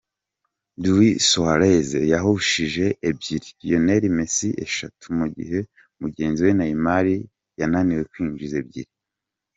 Luis Suarez yahushije ebyiri, Lionel Messi eshatu mu gihe mugenzi Neymar yananiwe kwinjiza ebyiri.